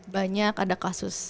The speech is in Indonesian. banyak ada kasus